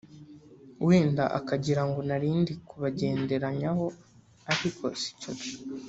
wenda akagira ngo nari ndi kubenderanyaho ariko sicyo nari ngamije